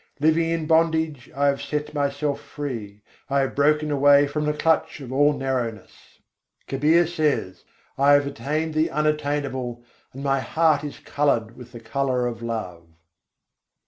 Living in bondage, I have set myself free: I have broken away from the clutch of all narrowness. Kabîr says: "I have attained the unattainable, and my heart is coloured with the colour of love."